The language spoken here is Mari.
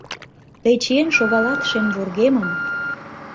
«Тый чиен шогалат шем вургемым...»